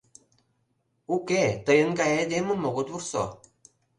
Уке, тыйын гай айдемым огыт вурсо.